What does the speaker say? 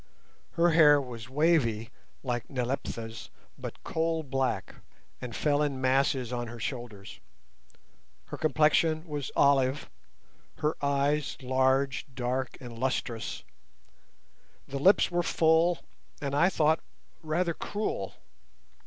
Her hair was wavy like Nyleptha's but coal black, and fell in masses on her shoulders; her complexion was olive, her eyes large, dark, and lustrous; the lips were full, and I thought rather cruel.